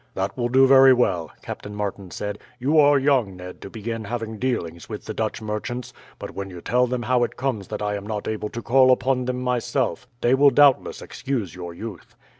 "That will do very well," Captain Martin said. "You are young, Ned, to begin having dealings with the Dutch merchants, but when you tell them how it comes that I am not able to call upon them myself, they will doubtless excuse your youth."